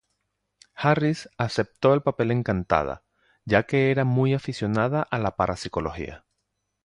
Harris aceptó el papel encantada, ya que era muy aficionada a la parapsicología.